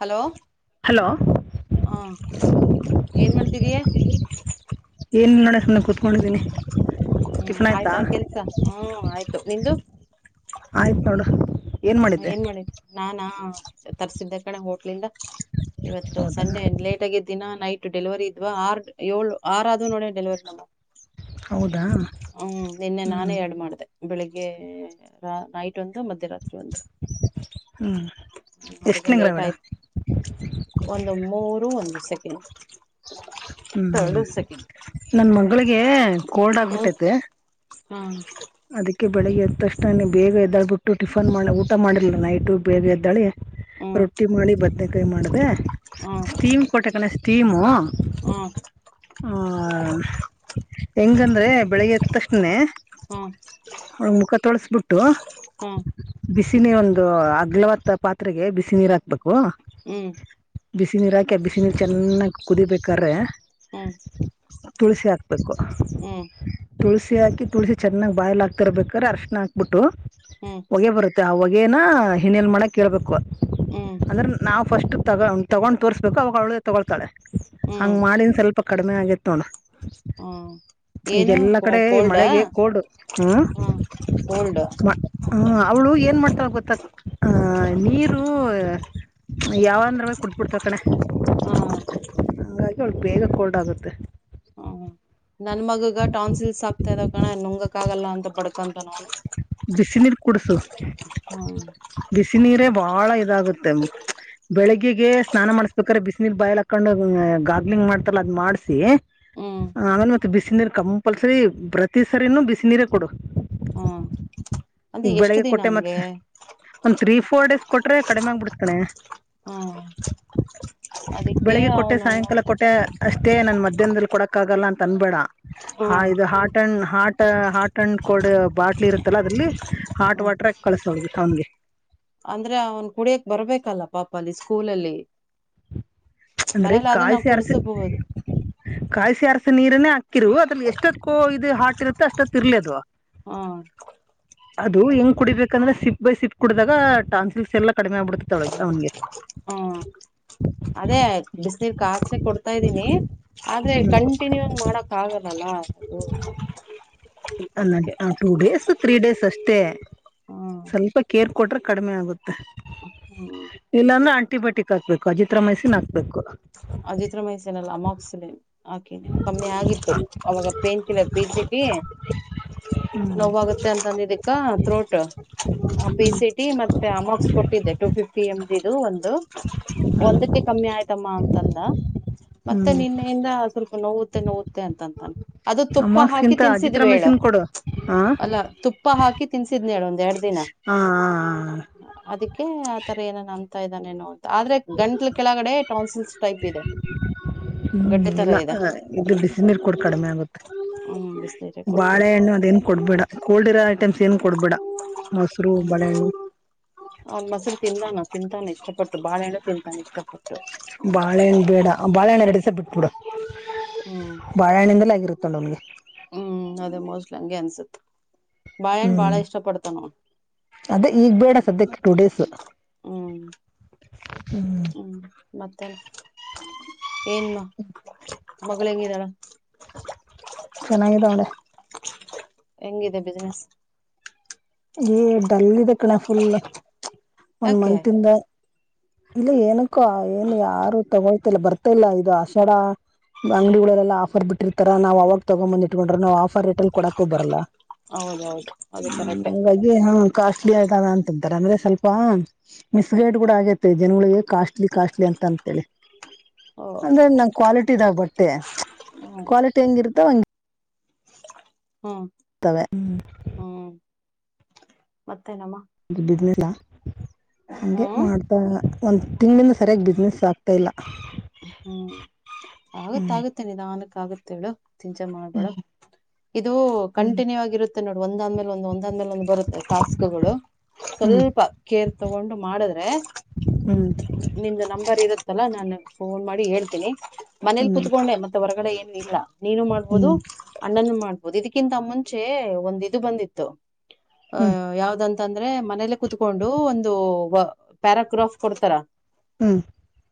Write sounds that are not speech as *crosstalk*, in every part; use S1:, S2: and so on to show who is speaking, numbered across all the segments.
S1: Hello.
S2: Hello.
S1: ಹಾ ಏನ್ ಮಾಡ್ತಿದಯ.
S2: ಏನ ಇಲ್ಲ್ ನೋಡ ನಾನ ಕುತ್ಕೊಂಡಿದ್ದೀನಿ.
S1: ಹ್ಮ್ ಆಯ್ತ ಆ ಕೆಲ್ಸ ಹ್ಮ್ ಆಯ್ತು ನಿಂದು.
S2: ಆಯ್ತು ನೋಡ.
S1: ಏನ್ ಮಾಡಿದ್ದ ನಾನಾ ತರ್ಸಿದ್ದೆ ಕಣೆ ಹೋಟ್ಲಿಂದ. ಇವತ್ತು
S2: ಹೌದಾ
S1: ಸಂಡೆ ಲೇಟ್ ಆಗಿದ್ದಿನ ನೈಟ್ ಡೆಲಿವರಿ ಇದ್ ಆರ್ ಏಳು ಆರ್ ಆದೂ ನೋಡ ಡೆಲಿವರಿ ನಮ್ಮ.
S2: ಹೌದಾ
S1: ಹ್ಮ ನಿನ್ನೆ
S2: ಹ್ಞೂ
S1: ನಾನೇ ಎರಡು ಮಾಡದೇ. ಬೆಳಿಗ್ಗೆ ನೈಟ್ ಒಂದು ಮಧ್ಯ ರಾತ್ರಿ ಒಂದು.
S2: ಹ್ಞೂ
S1: ಅದಕ್ಕೆ
S2: ಎಷ್ಟನೇ
S1: ಲೇಟ್
S2: ಗ್ರಾವಿಡ
S1: ಆಯ್ತು. ಒಂದು ಮೂರು ಒಂದು ಸೆಕೆಂಡ್.
S2: ಹ್ಮ್
S1: ಎರಡು ಸೆಕೆಂಡ್
S2: ನನ್ ಮಗಳಿಗೆ ಕೋಲ್ಡ್
S1: ಹ್ಮ್
S2: ಆಗ್ಬಿಟ್ಟೈತೆ.
S1: ಹ್ಮ್
S2: ಅದಕ್ಕೆ ಬೆಳಗ್ಗೆ ಎದ್ದ್ ತಕ್ಷಣನೆ ಬೇಗ ಎದ್ದಳಳ್ಬಿಟ್ಟು ಟಿಫನ್ ಮಾಡಿ ಊಟ ಮಾಡಿರ್ಲಿಲ್ಲ ನೈಟ್ ಬೇಗ ಎದ್ದೆಳಿ.
S1: ಹ್ಮ್
S2: ರೊಟ್ಟಿ ಮಾಡಿ ಬದ್ನೆಕಾಯಿ ಮಾಡ್ದೆ ಸ್ಟೀಮ್ ಕೊಟ್ಟೆ ಕಣೆ ಸ್ಟೀಮು.
S1: ಹುಂ
S2: ಹುಂ ಹೆಂಗಂದ್ರೆ ಬೆಳಿಗ್ಗೆ ಎತ್ತಕ್ಷಣನೇ.
S1: ಹ್ಮ್
S2: ಅವಳ ಮುಖ ತೊಳಸ್ಬಿಟ್ಟು. ಬಿಸಿನೀರ್ ಒಂದು ಅಗ್ಲವಾದ ಪಾತ್ರೆಗೆ ಬಿಸಿ ನೀರ ಹಾಕ್ಬೇಕು.
S1: ಹ್ಮ್
S2: ಬಿಸಿ ನೀರು ಹಾಕಿ ಆ ಬಿಸಿ ನೀರು ಚೆನ್ನಾಗಿ ಕುದಿಬೇಕಾದ್ರೆ.
S1: ಹ್ಮ್
S2: ತುಳಸಿ ಹಾಕ್ಬೇಕು.
S1: ಹ್ಮ್
S2: ತುಳಸಿ ಹಾಕಿ ತುಳಸಿ ಚೆನ್ನಾಗಿ ಬಾಯ್ಲ್ ಆಕ್ತಿರ್ಬೇಕಾರೆ ಅರಿಶಿಣ ಹಾಕ್ಬಿಟ್ಟು.
S1: ಹ್ಮ್
S2: ಹೊಗೆ ಬರುತ್ತೆ ಆ ಹೊಗೆೇನ ಇನ್ಹೇಲ್ ಮಾಡಕ್ ಹೇಳ್ಬೇಕು.
S1: ಹ್ಮ್
S2: ಅಂದ್ರೆ ನಾವು ಫಸ್ಟ್ ತಗೊಂಡ ತಗೊಂಡ್ ತೋರ್ಸ್ಬೇಕು ಅವಾಗ ಅವಳೆ ತಗೊಳ್ತಾಳೆ ಹಂಗ
S1: ಹ್ಮ್
S2: ಮಾಡಿ. ಸ್ವಲ್ಪ ಕಡಿಮೆ ಆಗಿತ್ ನೋಡ.
S1: ಹ್ಮ್ ಏನು
S2: ಈಗೆಲ್ಲಾ ಕಡೆ
S1: ಕೋಲ್ಡಾ
S2: ಮಳೆಗೆ ಕೋಲ್ಡು ಹ್ಮ
S1: ಹ ಕೋಲ್ಡ್
S2: ಮ ಹಂ ಅವ್ಳು ಏನ್ ಮಾಡ್ತಳ ಗೊತ್ತ ಹ್ಂ ನೀರು. ಯಾವಂದ್ರವೆ ಕುಡ್ಬಿಡ್ತಾಳ್ ಕಣೆ.
S1: ಹುಂ
S2: ಹಂಗಾಗಿ ಅವ್ಳಿಗ್ ಬೇಗ ಕೋಲ್ಡ್ ಆಗುತ್ತೆ.
S1: ಹ್ಮ್ ನನ್ ಮಗಗ ಟೌನ್ಸಿಲ್ಸ್ ಆಕ್ತಾ ಇದಾವ್ ಕಣೆ ನುಂಗಕ್ ಆಗಲ್ಲ ಅಂತ ಬಡ್ಕೊಂತಾನವ್ನು.
S2: ಬಿಸಿ ನೀರ್ ಕುಡ್ಸು.
S1: ಅವ್ನು.
S2: ಬಿಸಿನೀರೆ ಬಾಳ ಇದಾಗುತ್ತೆ ಚ್ ಬೆಳಿಗ್ಗೆಗೆ ಸ್ನಾನ ಮಾಡಸ್ಬೇಕ್ರೆ ಬಿಸಿನೀರ್ ಬಾಯಲಾಕ್ ಕಂಡು ಗಾರ್ಗಲಿಂಗ್ ಮಾಡ್ತಾರಲ್ಲ ಅದ್ನ ಮಾಡ್ಸಿ.
S1: ಹ್ಮ್ ಹ್ಮ್
S2: ಬಿಸಿನೀರು ಕಂಪಲ್ಸರಿ ಪ್ರತಿ ಸರಿನೂ ಬಿಸಿನೀರೆ ಕೊಡು.
S1: ಹ್ಮ್ ಅಂದ್ರೆ ಎಷ್ಟು ದಿನ ಹಂಗೆ.
S2: ಒಂದ ತ್ರೀ ಫೋರ್ ಡೇಸ್ ಕೊಟ್ರೆ ಕಡಿಮೆ ಆಗ್ಬಿಡತ್ ಕಣೆ.
S1: ಹ್ಮ್ ಅದಕ್ಕೆ ಅವನನ್ನು.
S2: ಯ ಅಷ್ಟೇ ನನ್ ಮಧ್ಯಾಹ್ನದಲ್ಲಿ ಕೊಡಕ್ ಆಗಲ್ಲ ಅಂತನ್ಬೇಡ ಹಾ
S1: ಹ್ಮ್
S2: ಇದು ಹಾಟ್ ಅಂಡ್ ಹಾಟ್. ಟ ಹಾಟ್ ಅಂಡ್ ಕೋಲ್ಡ್ ಬಾಟ್ಲಿ ಇರುತ್ತಲ್ಲ ಅದ್ರಲ್ಲಿ ಹಾಟ್
S1: ಹ್ಮ್
S2: ವಾಟರ್ ಹಾಕ್ ಕಳಸವ್ರಿಗೆ ಅವ್ನಿಗೆ.
S1: ಅಂದ್ರೆ ಅವನ್ ಕುಡಿಯಕ್ ಬರ್ಬೇಕಲ್ಲ ಪಾಪ ಅಲ್ಲಿ ಸ್ಕೂಲಲ್ಲಿ.
S2: ಚ್ ಅಂದ್ರೆ
S1: ಮನೇಲಿ ಆದ್ರೆ ನಾವ್
S2: ಕಾಯಿಸಿ ಆರಿಸಿದ್.
S1: ಕುಡ್ಸಬಹುದು
S2: ಕಾಯಿಸಿ ಆರಿಸ ನೀರನೆೇ ಹಾಕ್ಕಿರು ಅದ್ರಲ್ಲಿ ಎಷ್ಟೊತ್ ಕೋ ಇದು ಹಾಟಿರುತ್ತೋ ಅಷ್ಟೊತ್ ಇರ್ಲದು.
S1: ಹ್ಮು
S2: ಅದು ಹೆಂಗ್ ಕುಡಿಬೇಕಂದ್ರೆ ಸಿಪ್ ಬೈ ಸಿಪ್ ಕುಡಿದಾಗ ಟಾನ್ಸಿಲ್ಸ್ ಎಲ್ಲ ಕಡಿಮೆ ಆಗ್ಬಿಡ್ತತಿತ್ತೊಳಗೆ ಅವ್ನ್ಗೆ.
S1: ಹ್ಮ್ ಅದೇ ಬಿಸಿನೀರ್ ಕಾಸಿ ಕೊಡ್ತಾ ಇದೀನಿ ಆದ್ರೆ ಕಂಟಿನ್ಯೂಂಗ್ ಮಾಡಕ್ ಆಗಲ್ಲ. ಗಲ್ಲ ಅದು.
S2: ಅಲ್ಲ
S1: ಅದಕ್ಕೆ
S2: ಚ್ ಟೂ ಡೇಸ್ ತ್ರೀ ಡೇಸ್ ಅಷ್ಟೇ.
S1: ಹ್ಮ್
S2: ಸ್ವಲ್ಪ ಕೇರ್ ಕೊಟ್ರೆ ಕಡಿಮೆ ಆಗುತ್ತೆ.
S1: ಹ್ಮ್
S2: ಇಲ್ಲಂದ ಆಂಟಿಬಯೋಟಿಕ್ ಹಾಕ್ಬೇಕು ಅಜಿತ್ರ ಮೈಸಿನ ಹಾಕ್ಬೇಕು
S1: ಅಜಿತ್ ರಮ ಹೆಸನಲ್ಲ ಅಮಾಕ್ ಸನ್ ಓಕೆ ನೆ ಕಮ್ಮಿ ಆಗಿತ್ತು ಅವಾಗ ಪೇನ್ಸಿನ ಪೀಿ
S2: ಹ್ಮ್
S1: ನೋವಾಗ ಚೆಂದಾತಂದಿದಕ್ ಪ್ರುಟ್ಟ ಪ
S2: ಹ್ಮ್
S1: ಸಿ ಟಿ ಮತ್ತೆ ಅಮೋಕ್ಸ್ ಕೊಟ್ಟಿದ್ದೆ ಟು ಫಿಫ್ಟಿ ಎಮ್ ಇದು ಒಂದು
S2: ಹ್ಮ್
S1: ಒಂದಕ್ಕೆ ಕಮ್ಮಿ ಆಯ್ತಮ್ಮ ಅಂತಂದ ಮತ್ತೆ
S2: ಹ್ಮ್
S1: ನಿನ್ನೆಯಿಂದ ಸ್ವಲ್ಪ ನೋವುತ್ತೆ ನೋವುತ್ತೆ ಅಂತಂತಾನ ಅದು ತುಪ್ಪ ಹಾಕಿ ತಿನ್ಸಿದ್ ಬೇೇಳ
S2: ಕೊಡುವ
S1: ಅಲ್ಲ ತುಪ್ಪ ಹಾಕಿ ತಿನ್ಸಿದ್ನೇಳ ಒಂದ ಎರಡ್ ದಿನ
S2: ಹ
S1: ಅದಕ್ಕೆ ಆ ತರ ಏನನ್ ಅನ್ಂತಾ ಇದ್ದಾನೇನು ಅಂತ ಆದ್ರೆ ಗಂಟ್ಲ್ ಕೆಳ ಕಡೆ ಟೌನ್ಸಲ್ ಟೈಪ್ ಇದೆ
S2: ಹ್ಮ್
S1: ಗಡ್ಡೆ ತರ
S2: ಇಲ್ಲ
S1: ಇದೆ
S2: ಇ ಬಿಸ ನೀರ್ ಕೂಡ ಕಡಿಮೆ ಆಗತ್ರಿ
S1: ಹ್ಮ್ ಬಿಸ್ ಕೊಡತಿನಿ
S2: ಕೊಡ್ಬೇಡ ಕೋಲ್ಡ್ ಕೋಲ್ಡ್ ಇರೋ ಐಟಮ್ಸ್ ಏನು ಕೊಡ್ಬೇಡ ಮೊಸರು ಬಳೆಹಣ್ಣಿ
S1: ಆ ಮಸರು ತಿದಾನ ತಿಂತಾನೆ ಇಷ್ಟಪಟ್ಟು ಬಾಳೆಣ ತಿಂತಾನೆ ಇಷ್ಟಪಟ್ಟು
S2: ಬಾಳೆಹಣ್ಣ ಬೇಡ ಬಾಳೆಹಣ್ಣ ರೆಡಿಿಸ ಬಿಟ್ಬಿಡು
S1: ಹ್ಮ್
S2: ಬಾಳೆಹಣ್ಣಿಂದಲ ಆಗಿರುತ್ತ ನಮ್ಗೆ
S1: ಹ್ಮ್ ಅದೇ ಮೋಸ್ಟ್ಲಿ ಹಂಗೆ ಅನ್ಸುತ್ತ
S2: ಹ್ಮ್
S1: ಅವ್ನು
S2: ಅದೇ ಈಗ್ ಬೇಡ ಸದ್ಯಕ್ಕೆ ಟೂ ಡೇಸ್
S1: ಹ್ಮ್
S2: *inaudible*
S1: ಹ್ಮ್ ಮತ್ತೇನ್ ಏನ್ಮ್ಮ ಮಗಳ ಹೆಂಗಿದಾಳ
S2: ಚೆನ್ನಾಗಿದಾಳೆ
S1: ಹೆಂಗಿದೆ ಬಿಸಿನೆಸ್
S2: ಡಲ್ ಇದ ಕಣ ಫುಲ್ ಒಂದ
S1: ಯಾಕೆ
S2: ಮತ್ ಇಂದ ಇಲ್ಲ ಏನಕ್ಕೋ ಏನ್ ಯಾರು ತಗೊಳ್ತಿಲ್ಲ ಬರ್ತ ಇಲ್ಲ ಇದು ಆಷಡ ಅಂಗಡಿಗಳಲ್ಲೆಲ್ಲ ಆಫರ್ ಬಿಟ್ಟಿರ್ತಾರ ನಾವ ಅವಾಗ ತಗೊ್ಂಬಂದ ಇಟ್ಕೊಂಡ್ರೆ ನಾವು ಆಫರ್ ರೇಟ್ ಅಲ್ಲಿ ಕೊಡಕ ಬರಲ್ಲ
S1: ಹೌದೌದು ಅದು ಕರೆಕ್ಟ್
S2: ಗಡ್ಲಿ ಹ ಕಾಸ್ಟ್ಲಿ ಆಯ್ದಾವ ಅಂತಾರ ಅಂದ್ರೆ ಸ್ವಲ್ಪ ಮಿಸ್ ಗೈಡ್ ಕೂಡ ಆಗೇತೆ ಜನಗಳಿಗೆ ಕಾಸ್ಟ್ಲಿ ಕಾಸ್ಟ್ಲಿ ಅಂತ ಅಂತೇಳಿ
S1: ಓ
S2: ಅಂದ್ರೆ ನಂ ಕ್ವಾಲಿಟಿ ಇದಾಗ ಬಟ್ಟೆ
S1: ಹ್ಮ್
S2: ಕ್ವಾಲಿಟಿ ಹೆಂಗಿರುತ್ತ ಒ
S1: ಹಾ
S2: ತವೆ ಹ್ಮ್
S1: ಹ್ಮ್ ಮತ್ತೆನಮ್ಮ
S2: ಇದು ಬಿದಿಲ್ಲ ಹಗೆ
S1: ಹ್ಮ್
S2: ಮಾಡ್ತಾ ಒಂದು ತಿಂಗಳಿಂದ ಸರಿಯಾಗಿ ಬಿಸ್ನೆಸ್ ಆಗ್ತಾಇಲ್ಲ
S1: ಹ್ಮ್ ಆಗತ್ತೆ ಆಗತ್ತೆ ನೀಧಾನಕ್ಕೆ ಆಗತ್ತೆ ಎಡುೋ ಚಿಂಚೆ ಮಾಡ್ಬೇಡ ಇದು
S2: ಹ್ಮ್
S1: ಕಂಟಿನ್ಯೂ ಆಗಿ ಇರುತ್ತೆ ನೋಡ ಒಂದ್ಂದ್ಮೇಲೆ ಒಂದ ಒಂದ್ಂದ್ಮೇಲೆ ಒಂದ್ ಬರುತ್ತೆ ಟಾಸ್ಕಗಳು
S2: ಹ್ಮ್
S1: ಸ್ವಲ್ಪ ಕೇರ್ ತಗೊಂಡು ಮಾಡಿದ್ರೆ
S2: ಹ್ಮ್
S1: ನಿಂದ ನಂಬರ್ ಇರತ್ತಲ್ಲಾ ನಾನು ಫೋನ್ ಮಾಡಿ ಹೇಳ್ತೀನಿ ಮನೇಲಿ
S2: ಹ್ಮ್
S1: ಕುೂತ್ಕೊಂಡೆ ಮ ಹೊರಗಡೆ ಏನು ಇಲ್ಲ ನೀನು ಮಾಡ್ಬಹುದು
S2: ಹ್ಮ್ ಹ್ಮ್
S1: ಅಣ್ಣನ್ನು ಮಾಡ್ ಇದಕ್ಕಿಂತ ಮುಂಚೆ ಒಂದ ಇದು ಬಂದಿತ್ತು
S2: ಹ್ಮ್
S1: ಅಹ ಯಾವ್ದಂತ ಅಂತಂದ್ರೆ ಮನೇಲೆ ಕುೂತ್ಕೊಂಡು ಒಂದು ಪ್ಯಾರಾಗ್ರಾಫ್ ಕೊಡ್ತಾರ
S2: ಹ್ಮ್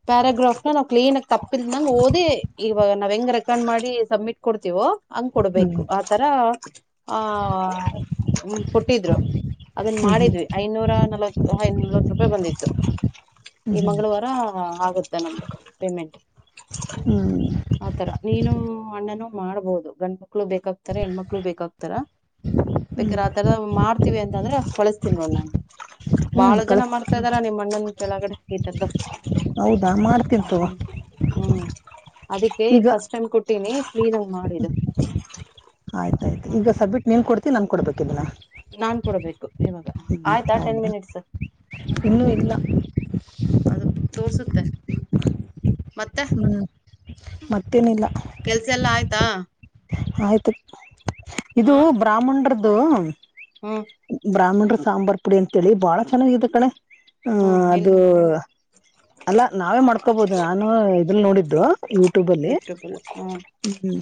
S1: ಪ್ಯರಾಗ್ರಫ್ ನಾವು ಕ್ಲೀನ್ ಆಗ ತಪ್ಪಲ್ನಂಗ ಓದಿ ಇವಾಗ ನಾವ್ ಹೆಂಗ್ ರೆಕಾರ್ಡ್ ಮಾಡಿ ಸಬ್ಮಿಟ್ ಕೊಡ್ತೀವೋ ಹಂಗ್ ಕೊಡ್ಬೇಕು ಆತರ ಆ ಕೊಟ್ಟಿದ್ರು ಅದನ್ ಮಾಡಿದ್ದೀವಿ. ಐನೂರ ನಲವತ್ ಐ ನಲ್ವತ್ ರೂಪಾಯಿ ಬಂದಿತ್ತು ಈ
S2: ಹ್ಮ್ ಹ್ಮ್
S1: ಮಂಗಳವಾರ ಆಗುತ್ತೆ. ನ ಪೇಮೆಂಟ್.
S2: ಹ್ಮ್ *unintelligible*
S1: ಆತರ ನೀನು ಅಣ್ಣನು ಮಾಡ್ಬಹುದು ಗಂಡು ಮಕ್ಳು ಬೇಕಾಗ ಹೆಣ್ಮಕ್ಳು ಬೇಕಾಗಕ್ತಾರ
S2: ಹ್ಮ್
S1: ಬೇಕ್ರ ಆ ತರ ಮಾಡ್ತೀವಿ ಅಂತ ಅಂದ್ರೆ ಕಳಸ್ತೀನ ನೋಡ್ ನಾನು.
S2: ಹ್ಮ್
S1: ಬಾಳ ಜನ
S2: ಕಳಸ್
S1: ಮಾಡ್ತಾ್ದಾರ ನಿಮ್ಮ ಅಣ್ಣನ ಕೆಳಗಡೆ ಈತದ್ದ.
S2: ಹೌದಾ ಮಾಡ್ತ
S1: ಹ್ಮ್ ಹ್ಮ್ ಅದಕ್ಕೆ
S2: ಈಗ
S1: ಫಸ್ಟ್ ಟೈಮ್ ಕೊಟ್ಟಿನಿ ಫ್ರೀ ದಾಗ ಮಾಡು ಇದು.
S2: ಆಯ್ತಾಯಯ್ತು ಈಗ ಸಬ್್ಮಿಟ್ ನೀನ್ ಕೊಡ್ತೀಿ ನನ್ ಕೊಡ್ಬೇಕಿನ *unintelligible*
S1: ನಾನ್ ಕೂಡಬೇಕು ಇವಾಗ ಆಯ್ತಾ ಟೆನ್
S2: ಹೌದಾ
S1: ಮಿನಿಟ್ಸ್ *inaudible*
S2: ಇನ್ನೂ ಇಲ್ಲ
S1: ಅದು ತೋರ್ಸುತ್ತೆ ಮತ್ತೆ.
S2: ಹ್ಞೂ ಮತ್ತೇನಿಲ್ಲ.
S1: ಕೆಲ್ಸ ಎಲ್ಲಾ ಆಯ್ತಾ.
S2: ಆಯ್ತು ಇದು ಬ್ರಾಹ್ಮಣ್ರದ್ದು.
S1: ಹ್ಮ.
S2: ಬ್ರಾಹ್ಮಿಣರು ಸಾಂಬಾರ್ ಪುಡಿ ಅಂತೇಳಿ ಬಾಳ ಚೆನ್ನಾಗಿದ ಕಣೆ ಹ್
S1: ಹ್ಮ್ ಎಲ್
S2: ಅದು. ಅಲ್ಲ ನಾವೇ ಮಾಡ್ಕೋಬಹದು ನಾನು ಇದಲ್ಲಿ ನೋಡಿದ್ರು ಯೂಟ್ಯೂಬ ಅಲ್ಲಿ. ಹ್ಮ್ ಹ್ಮ್.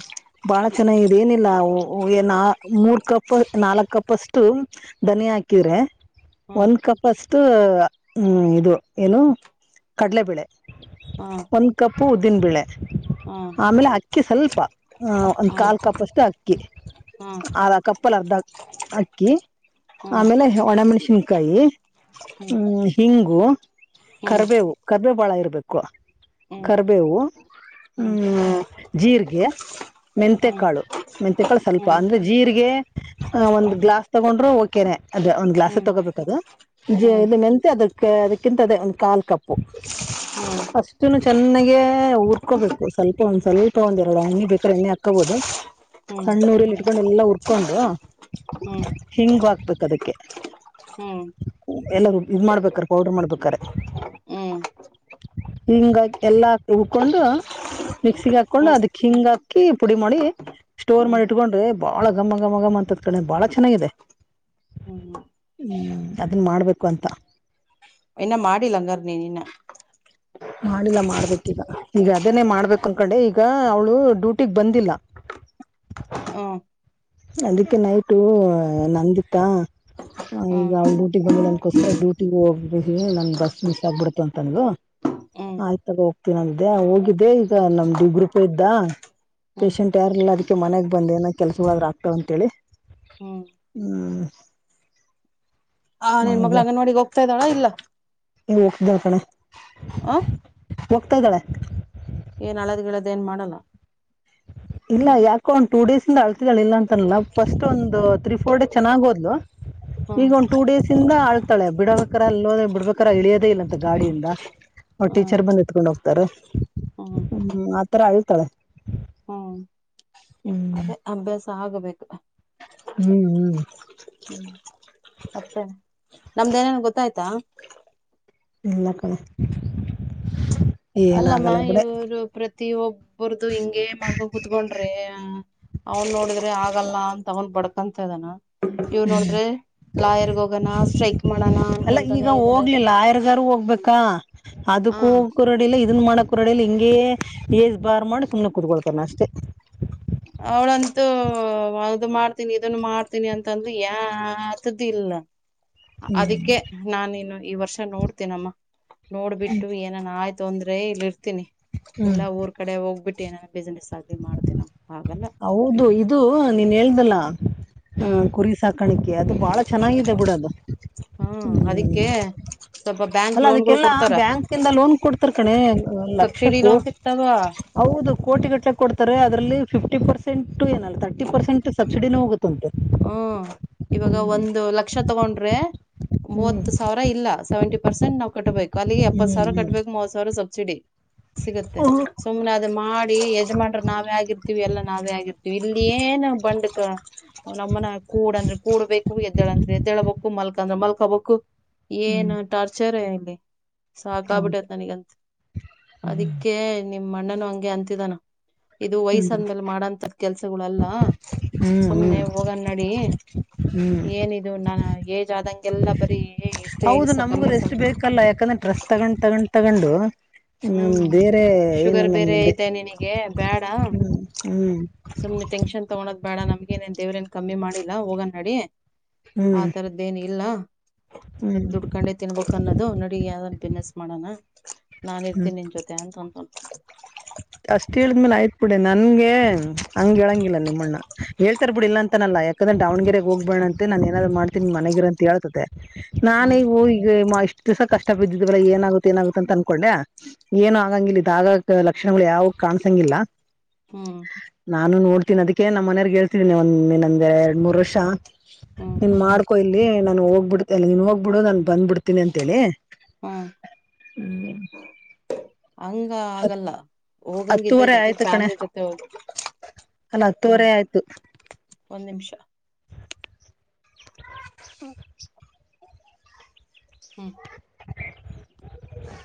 S2: ಬಾಳ ಚೆನ್ನಾಗಿದ ಏನಿಲ್ಲ ನ ಮೂರ್ ಕಪ್ ನಾಲ್ಕ್ ಕಪ್ ಅಷ್ಟು. ಧನ್ಯ ಹಾಕಿದರೆ. ಒಂದು್ ಕಪ್ ಅಷ್ಟು ಇದು ಏನು ಕಡ್ಲೆಬೇಳೆ.
S1: ಹಾ *unintelligible*
S2: ಒಂದು ಕಪ್ಪು ಉದ್ದಿನಬೇಳೆ. ಆಮೇಲೆ ಅಕ್ಕಿ ಸ್ವಲ್ಪ ಒಂದು್
S1: ಹ್ಮ್
S2: ಕಾಲು ಕಪ್ಷ್ಟು ಅಕ್ಕಿ.
S1: ಹ್ಮ್ ಹ್ಮ್
S2: ಅದಾ ಕಪ್ಪಲ್ ಅರ್ಧ ಅಕ್ಕಿ
S1: ಹ್ಮ್
S2: ಆಮೇಲೆ ಒಣಮೆಣಸಿನ್ಕಾಯಿ ಹಿಂಗು.
S1: ಹ್ಮ್ ಹ್ಮ್ ಹ್ಮ್
S2: ಕರ್ಬೇವು ಕರ್ಬೇ ಭಾಳ ಇರಬೇಕು
S1: ಹ್ಮ್ ಹ್ಮ್
S2: ಕರಿಬೇವು ಹ. ಜೀರ್ರಿಗೆ.
S1: ಹ್ಮ್
S2: ಮೆಂಂತೆಕಾಳು ಮೆಂತೆಕಾಳು ಸ್ವಲ್ಪ
S1: ಹ್ಮ್
S2: ಅಂದ್ರೆ ಜೀರಿಗೆ ಒಂದ್ ಗ್ಲಾಸ್ ತಗೊಂಡ್ರು. ಕೆರೆ ಅದು ಒಂದು ಗ್ಲಾಸ್ ತಗೋಬೇಕ ಅದು ಇದು
S1: ಹ್ಮ್ ಹ್ಮ್ ಹ್ಮ್ ಹ್ಮ್ ಹ್ಮ್
S2: ಮೆಂಂತೆ ಅದ ಅದಕ್ಕಿಂತದೇ. ಕಾಲ್ಕಪ್ಪು. ಅಷ್ಟುನು ಚೆನ್ನಾಗ ಉಊರ್ಕೋಬೇಕು ಸ್ವಲ್ಪ ಒಂದ್ ಸ್ವಲ್ಪ ಒಂದ ಎರಡು ಅಣ್ಣಿ ಬೇಕ್ರೆ ಎಣ್ಣೆ ಹಾಕಬೋುದು. ಸಣ್ಣೂರಿಲ್ಲಿ ಇಟ್ಕೊಂಡು ಎಲ್ಲಾ ಉುರ್ಕೊಂಡು ಹಿಂಗು ಹಕ್ಬೇಕು ಅದಕ್ಕೆ.
S1: ಹ್ಮ್ ಹ್ಮ್
S2: ಎಲ್ಲರೂ ಇದ್ ಮಾಡ್ಬೇಕ್ರ ಪೌಡರ್ ಮಾಡ್ಬೇಕಾರೆ. ಹಿಂಗ ಎಲ್ಲಾ ಹಾಕೊಂಡು. ಮಿಕ್ಸಿಗೆ ಹಾಕೊಂಡು
S1: ಹ್ಮ್
S2: ಅದಕ್ ಹಿಂಗ್ ಹಾಕಿ ಪುಡಿ ಮಾಡಿ. ಸ್ಟೋರ್
S1: ಹ್ಮ್
S2: ಮಾಡಿ ಇಟ್ಕೊಂಡ್ರೆ ಬಾಳ ಘಮ್ಮ ಘಮ ಘಮ ಅಂತದ ಕಣೆ ಬಾಳ ಚೆನ್ನಾಗಿದೆ. ಹ್ಮ್ ಅದನ್ನ ಮಾಡ್ಬೇಕು ಅಂತ.
S1: ಇನ್ನ ಮಾಡಿಿಲ್ಲಂಗರ್ ನೀನ್ ಇನ್ನ.
S2: ಮಾಡಿಲ್ಲ ಮಾಡ್ಬೇಕಿಲ್ಲ ಈಗ ಅದನೇ ಮಾಡ್ಬೇಕು ಅನ್ಕಂಡೆ ಈಗ ಅವ್ಳು ಡ್ಯೂಟಿಗ್ ಬಂದಿಲ್ಲ.
S1: ಹಾ *unintelligible*
S2: ಅದಕ್ಕೆ ನೈಟು ನಂದಿತಾ. ಈಗ
S1: ಹ್ಮ್
S2: ಅವ ಡ್ಯಟಿಗೆ ಬಂದಿಲ್ಲನ್ಕೋಸ್ಕರ ಡ್ಯೂಟಿಗ ಹೋಗ್ಬ ನನ್ ಬಸ್ ಮಿಸ್ ಆಗ್ಬಿಡತು ಅಂತ ಅಂದಳು.
S1: ಹ್ಮ್
S2: ಆಯ್ತ್ ತಗ ಹೋಗ್ತೀನ ಅ್ದೆ ಹೋಗಿದ್ದೆ ಈಗ ನಮ್ ಡಿ ಗ್ರೂಪ ಇದ್ದ.
S1: ಹ್ಮ್
S2: ಪೇಶಂಟ್ ಯಾರಿಲ್ಲ ಅದಕ್ಕೆ ಮನೆಗ ಬಂದೇ ಏನೋ ಕೆಲಸ ಇರಲಾರದ. ಇಟ್ಟು ಅಂತೇಳಿ
S1: ಹ್ಮ್
S2: ಹಮ್.
S1: ಆ ನಿನ್ನ ಮಗ್ಳ ಅಂಗನವಾಡಿಗೆ ಹೋಗ್ತಾ ಇದ್ದಳ ಇಲ್ಲ.
S2: *unintelligible* ಹೋಗ್ತಾಳ ಕಣೆ
S1: ಆ
S2: ಹೋಗತಾ ಇದ್ದಾಳೆ.
S1: ಏನ ಅಳದ ಗಿಳದ ಏನ್ ಮಾಡಲ್ಲ.
S2: ಇಲ್ಲ ಯಾಕೋ ಒಂದು ಟೂ ಡೇಸಿಂದ ಅಳ್ತಿದಳ ಇಲ್ಲ ಅಂತನಲ್ಲ ಫಸ್ಟ್ ಒಂದು ತ್ರೀ ಫೋರ್ ಡೇ ಚೆನ್ನಾಗ ಹೋದ್ಲು. ಈಗ
S1: ಹ್ಮ್
S2: ಒನ ಟೂ ಡೇಸ್. ಇಂದ ಆಳ್ತಾಳೆ ಬಿಡಬೇಕಾರ ಅಲ್ಲೋದ ಬಿಡ್ಬೇಕಾರ ಇಳಿಯೋದೇ ಇಲ್ಲ ಅಂತ ಗಾಡಿಯಿಂದ ಅವಳ ಟೀಚರ್ ಬಂದ ಏತಕೊಂಡು ಹೋಗ್ತಾರೆ.
S1: ಹ್ಮ.
S2: ಹ್ಮ್ ಆತರ ಅಳ್ತಾಳೆ.
S1: ಹ್ಮ್
S2: ಹ್ಮ್
S1: ಅದೇ ಅಭ್ಯಾಸ ಆಗಬೇಕು.
S2: ಹ್ಮ್ ಹ್ಮ್.
S1: ಹ್ಮ್ ಮತ್ತೇ ನಮ್ದು ಏನೇನ್ ಗೊತ್ತಾಯ್ತಾ.
S2: ಇಲ್ಲ ಕಣೆ.
S1: ಅಲ್ಲಮ್ಮ
S2: ಏನಾಗಲ್ಲ ಬಿಡೆ
S1: ಇವರು ಪ್ರತಿ ಒಬ್ಬರದು ಹಿಂಗೆ ಮಾಡ್ಕೊಂಡ ಕುತ್ಕೊಂಡ್ರೆ. ಅವನ್ ನೋಡಿದ್ರೆ ಆಗಲ್ಲ ಅಂತ ಅವನ್ ಬಡ್ಕಂತ ಇದಾನ ಇವನ ನೋಡಿದ್ರೆ. ಲಾಯರ್ಗ ಹೋಗಣ ಸ್ಟ್ರೈಕ್ ಮಾಡಣ
S2: ಅಲ್ಲ ಈಗ
S1: ಅನ್ಕೊಂತಾನೇ ಇದ್ದಾರೆ.
S2: ಹೋಗ್ಲಿಲ್ಲ ಆಯರ್ಗಾರು ಹೋಗ್ಬೇಕಾ
S1: ಹ
S2: ಅದಕ್ಕೂ. ರಡಿಲ್ಲ ಇದನ್ ಮಾಡಕ ರಡಿಲ್ಲ ಹಿಂಗೆ ಏಜ್ ಬಾರ್ ಮಾಡಿ ಸುಮ್ಮನೆ ಕೂತ್ಕೊಳ್ತಾನ ಅಷ್ಟೇ.
S1: ಅವ್ಳಂತೂ ಅದು ಮಾಡ್ತೀನಿ ಇದನು ಮಾಡ್ತೀನಿ ಅಂತಂದಳು *unintelligible* ಇಲ್ಲ. ಅದಕ್ಕೆ ನಾನ ಇನು ಈ ವರ್ಷ ನೋಡ್ತೀ ಮ್ಮ ನೋಡ್ಬಿಟ್ಟು ಏನ್. ನಾನು ಆಯ್ತು ಅಂದ್ರೆ ಇಲ್ಲಿ ಇರ್ತೀನಿ
S2: ಹ್ಮ್
S1: ಇಲ್ಲಾ ಊರ್ ಕಡೆ ಹೋಗ್ಬಿಟ್ಟು ಏನ ಬಿಸ್ನೆಸ್ ಆಗ್ಲಿ ಮಾಡ್ತಿನಿ ನಾವು.
S2: ಹೌದು ಇದು ನೀನ ಹೇಳ್ದಲ್ಲ
S1: ಹ್ಮ್
S2: ಕು ತಕಾಣಿಕೆ ಅದು ಬಹಳ ಚೆನ್ನಾಗಿದೆ ಬಿಡ ಅದು.
S1: ಹ್ಮ್ ಅದಕ್ಕೆ. ಸ್ವಲ್ಪ ಬ್ಯಾಂಕ್
S2: ಅಲ್ಲ
S1: ಲೋನ್ಗಳು
S2: ಅದಕ್ಕೆಲ್ಲಾ
S1: ಕೊಡ್ತಾರ
S2: ಬ್ಯಾಂಕನಿಂದ ಲೋನ್ ಕೊಡ್ತಿರ್ ಕಣೆ ಲಕ್ಷ
S1: ಸಬ್ಸಿಡಿ
S2: ಕೊ
S1: ಲೋನ್ ಸಿಕ್ತಾವ
S2: ಹೌದು ಕೋಟಿ ಗಟ್ಲೆ ಕೊಡ್ತಾರೆ ಅದರಲ್ಲಿ ಫಿಫ್ಟಿ ಪರ್ಸೆಂಟ್ ಏನಲ್ಲ ತರ್ಟಿ ಪರ್ಸೆಂಟ್ ಸಬ್ಸಿಡಿನ ಹೋಗುತ್ತೆ. ತಂತ್ತೆ.
S1: ಹ್ಮ ಇವಾಗ ಒಂದು ಲಕ್ಷ ತಗೊಂಡ್ರೆ. ಮೂವತ್ತು ಸಾವಿರ ಇಲ್ಲ ಸೆವೆಂಟಿ ಪರ್ಸೆಂಟ್ ನಾವ್ ಕಟ್ಬೇಕು ಅಲ್ಲಿಗೆ ಎಪ್ಪತ್ತ ಸಾವಿರ
S2: ಹ್ಮ್
S1: ಕಟ್ಬೇಕು ಮೂವತ್ತ ಸಾವಿರ ಸಬ್ಸಿಡಿ.
S2: ಹ್ಮ್
S1: ಸಿಗತ್ತೆ.
S2: ಹ್ಮ್
S1: ಸುಮ್ನೆ ಅದ ಮಾಡಿ ಯಜಮಾನ್ರ ನಾವೇ ಆಗಿರ್ತಿವಿ ಎಲ್ಲ ನಾವೇ ಆಗಿರ್ತಿವಿ ಇಲ್ಲಿ ಏನ್ ಬಂಡಕ. ನಮ್ಮನ ಕೂಡಂದ್ರೆ ಕೂಡ್ ಬೇಕು ಎದ್ದಳಂದ್ರೆ ಎದ್ದಳ್ಬೇಕು ಮಲ್ಕಂದ್ರ ಮಲ್ಕಬೇಕು. ಏನ್
S2: ಹ್ಮ್
S1: ಟಾರ್ಚರ್ ಇಲ್ಲಿ ಸಾಕ ಆಗಿ
S2: ಹೌದು
S1: ಬಿಟ್ಟತ್ನಗಂತ ಅದಕ್ಕೆ. ನಿಮ್ಮ ಅಣ್ಣನು ಹಂಗೆ ಅಂತಿದಾನ ಇದು ವಯಸ್ಸ
S2: ಹ್ಮ್
S1: ಅಂದ್ಮೇಲೆ ಮಾಡಂತ. ಕೆಲ್ಸಗಳುಲ್ಲ
S2: ಹ್ಮ್
S1: ಸುಮ್ನೆ
S2: ಹ್ಮ್
S1: ಹೋಗನ ನಡಿ.
S2: ಹ್ಮ್
S1: ಏನಿದು ನಾನ ಏಜ್ ಆದಂಗೆಲ್ಲ ಬರೀ ಇಷ್ಟೇ
S2: ಹೌದು ನಮ್ಗೂ ರೆಸ್ಟ್
S1: *unintelligible*
S2: ಬೇಕಲ್ಲ ಯಾಕಂದ್ರೆ ಡ್ರೆಸ್ ತಗೊಂಡ್ ತಗೊಂಡ್ ತಗೊಂಡು. ನಮ್
S1: ಹ್ಮ್
S2: ಬೇರೆ ಏನು
S1: ಶುಗರ್ ಬೇರೆ
S2: ನಮ್ದೆ
S1: ಇದೆ ನಿನಗೆ ಬೇಡಾ.
S2: ಹ್ಮ್ ಹ್ಮ್.
S1: ಸುಮ್ನೆ ಟೆನ್ಷನ್ ತಗೋಳದ ಬೇಡ ನಮ್ಗೆ ನೇನ ದೇವ್ರ ಏನ್ ಕಮ್ಮಿ ಮಾಡಿಲ್ಲಾ ಹೋಗನ ನಡಿ ಆ
S2: ಹ್ಮ್
S1: ತರದ. ಇದೇನ ಇಲ್ಲ
S2: ಹ್ಮ್
S1: ದುಡ್ಡಕಡಿದ. ತಿನ್ಬೇಕ ಅನ್ನೋದು ನಡಿ ಯಾವ್ದದ ಬಿಸ್ನೆಸ್ ಮಾಡಣ ನಾನ್ ಇರ್ತೀನಿ ನಿನ್ ಜೊತೆ ಅಂತಂತ.
S2: ಅಷ್ಟ ಹೇಳಿದ್ಮೇಲೆ ಆಯ್ತ ಬಿಡಿ ನನ್ಗೆ ಹಂಗ ಹೇಳಂಗಿಲ್ಲ ನಿಮ್ಮಣ್ಣ ಹೇಳ್ತರ್ ಬಿಡಿ ಇಲ್ಲಾ ಅಂತನಲ್ಲ. ಯಾಕಂದ್ರೆ ದಾವಣಗೆರೆಗ್ ಹೋಗ್ಬರಣಂತೆ ನನ್ ಏನರು ಮಾಡ್ತಿನ್ ಮನೆಗಿರಂತ ಹೇಳ್ತಾತೆ. ನಾನ್
S1: ಹ್ಮ್
S2: ಇಗ್ ಹೋಹೀಗೆ ಮಾಷ್ಟ್. ಇಷ್ಟ್ ದಿಸ ಕಷ್ಟ ಬಿದ್ದಿದ್ವಲ್ಲ ಏನಾಗುತ್ತೆ ಏನಾಗುತ್ತ ಅಂತ ಅನ್ಕೊಂಡೆ ಏನು ಆಗಂಗಿಲ್ಲಿದ್. *unintelligible* ಲಕ್ಷಣಗಳು ಯಾವು ಕಾಣ್ಸಂಗಿಲ್ಲ.
S1: ಹ್ಮ್.
S2: ನಾನು ನೋಡ್ತೀನಿ ಅದಿಕ್ಕೆ ನಮ್ಮ್ ಮನೆರಿಗ್ ಹೇಳ್ತಿದೀನಿ ಒಂದ್ ಇನ್ನೊಂದ್ ಎರಡ್ ಮೂರ್ ವರ್ಷ.
S1: ಹ್ಮ್
S2: ನೀನ್ ಮಾಡ್ಕೊ ಇಲ್ಲಿ ನಾನು ಹೋಗ್ಬಿಡು ಅಲ್ಲ ನೀನ್ ಹೋಗ್ಬಿಡು ನಾನ್ ಬಂದ್ಬಿಡ್ತೀನಿ ಅಂತ್ ಹೇಳಿ.
S1: ಹ್ಮ್
S2: ಹ್ಮ್.
S1: ಅಂಗ ಆಗಲ್ಲ. ಹೋಗಂಗಿದ್ರೆ
S2: ಹತ್ತೂವರೆ
S1: ಜೊತೆಗ್
S2: ಆಯ್ತು ಕಣೆ
S1: ಫ್ಯಾಮಿಲಿ ಜೊತೆ ಹೋಗಿ
S2: ಅಲ್ಲ
S1: ಹ್ಮ್
S2: ಹತ್ತುವರೆ ಆಯ್ತು.
S1: ಒಂದ್ ನಿಮ್ಷ. ಹ್ಮ. ಹ್ಮ್.
S2: *inaudible*